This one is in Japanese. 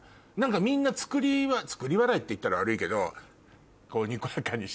みんな作り笑い作り笑いって言ったら悪いけど。